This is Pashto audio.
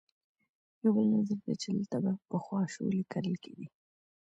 یو بل نظر دی چې دلته به پخوا شولې کرلې کېدې.